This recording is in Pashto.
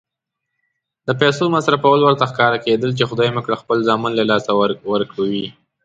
د پیسو مصرفول ورته ښکارېدل چې خدای مه کړه خپل زامن له لاسه ورکوي.